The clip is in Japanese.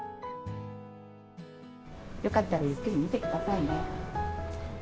よかったらゆっくり見てくださいね。